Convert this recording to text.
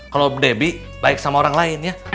kalo debi baik sama orang lain ya